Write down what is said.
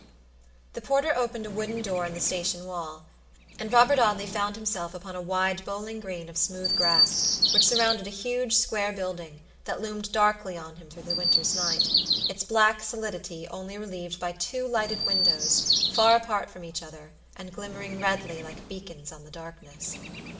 The porter opened a wooden door in the station wall, and Robert Audley found himself upon a wide bowling green of smooth grass, which surrounded a huge, square building, that loomed darkly on him through the winter's night, its black solidity only relieved by two lighted windows, far apart from each other, and glimmering redly like beacons on the darkness.